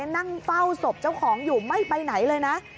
นั่งเฝ้าศพเจ้าของอยู่ไม่ไปไหนเลยนะ